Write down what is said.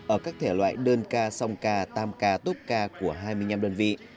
ở các thể loại đơn ca song ca tam ca tốt ca của hai mươi năm đơn vị